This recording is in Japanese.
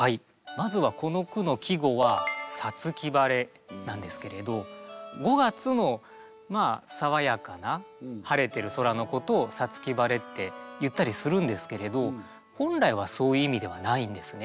まずはこの句の季語は「五月晴れ」なんですけれど五月の爽やかな晴れている空のことを「五月晴れ」って言ったりするんですけれど本来はそういう意味ではないんですね。